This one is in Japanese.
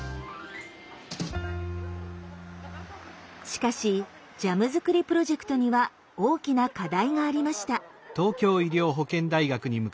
しかしジャムづくりプロジェクトには大きな課題がありました。